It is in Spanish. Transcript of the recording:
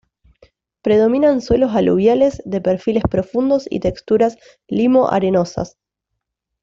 Predominan suelos aluviales de perfiles profundos y texturas limo-arenosas.